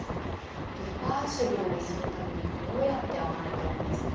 リバーシブルにするためにどうやって編まれてるんですか？